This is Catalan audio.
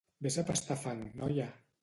Vés a pastar fang, noia!